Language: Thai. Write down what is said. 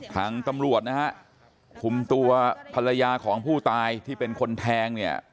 ทางตำรวจนะฮะคุมตัวภรรยาของผู้ตายที่เป็นคนแทงเนี่ย